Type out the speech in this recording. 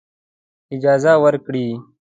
اجازه ورکړي.